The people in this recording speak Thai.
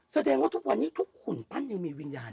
แสดงว่าทุกวันนี้ทุกหุ่นปั้นยังมีวิญญาณ